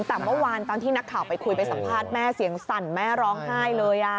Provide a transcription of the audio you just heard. แต่เมื่อวานตอนที่นักข่าวไปคุยไปสัมภาษณ์แม่เสียงสั่นแม่ร้องไห้เลย